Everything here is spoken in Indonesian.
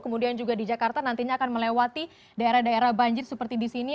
kemudian juga di jakarta nantinya akan melewati daerah daerah banjir seperti di sini